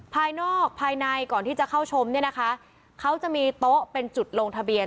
ภายนอกภายในก่อนที่จะเข้าชมเนี่ยนะคะเขาจะมีโต๊ะเป็นจุดลงทะเบียน